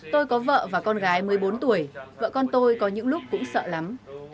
tôi có vợ và con gái một mươi bốn tuổi vợ con tôi có những lúc cũng sợ lắm